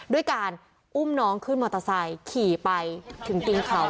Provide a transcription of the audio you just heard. ด้วยการอุ้มน้องขึ้นมอเตอร์ไซค์ขี่ไปถึงตีนเขา